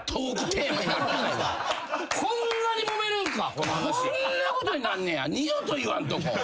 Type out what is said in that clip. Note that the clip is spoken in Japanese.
こんなにもめるんか。こんなことになんねや。二度と言わんとこ。